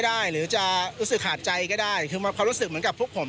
หรือจะรู้สึกขาดใจก็ได้คือความรู้สึกเหมือนกับพวกผม